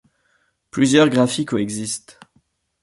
Plusieurs graphies coexistent.